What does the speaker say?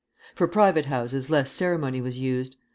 For private houses less ceremony was used.